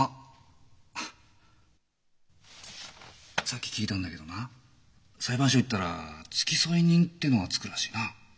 さっき聞いたんだけどな裁判所へ行ったら付添人ってのが付くらしいな？